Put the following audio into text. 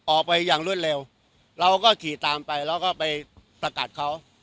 ออกไปอย่างรวดเร็วเราก็ขี่ตามไปแล้วก็ไปประกัดเขา